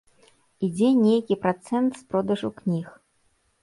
Ідзе нейкі працэнт з продажу кніг.